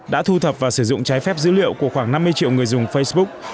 đã thu thập và sử dụng trái phép dữ liệu của khoảng năm mươi triệu người dùng facebook